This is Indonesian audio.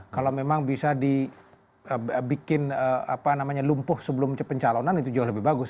kalau memang bisa dibikin lumpuh sebelum pencalonan itu jauh lebih bagus